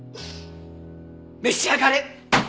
召し上がれ！